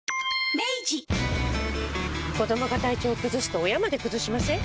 子どもが体調崩すと親まで崩しません？